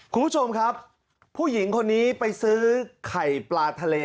คุณผู้ชมครับผู้หญิงคนนี้ไปซื้อไข่ปลาทะเล